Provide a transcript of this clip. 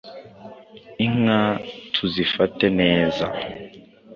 Inka tuzifate neza,